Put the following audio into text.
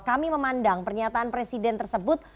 kami memandang pernyataan presiden tersebut